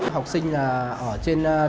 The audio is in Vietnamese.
học sinh ở trên đường